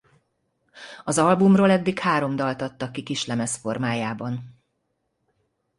Az albumról eddig három dalt adtak ki kislemez formájában.